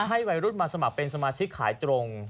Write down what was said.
ให้วัยรุ่นมาสมัครเป็นสมาชิกขายตรง